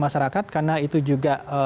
masyarakat karena itu juga